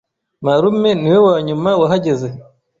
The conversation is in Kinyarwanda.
Marume niwe wanyuma wahageze.